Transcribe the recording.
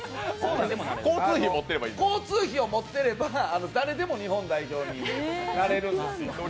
交通費を持っていれば、誰でも日本代表になれるんです。